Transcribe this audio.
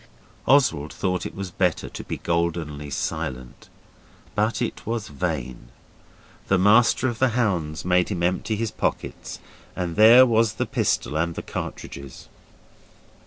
Oswald thought it was better to be goldenly silent. But it was vain. The Master of the Hounds made him empty his pockets, and there was the pistol and the cartridges.